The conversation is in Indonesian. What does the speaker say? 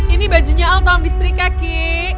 ini bajunya altaun di setrika ki